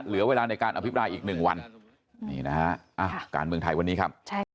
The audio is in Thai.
เหลือเวลาในการอภิปรายอีก๑วันนี่นะฮะการเมืองไทยวันนี้ครับ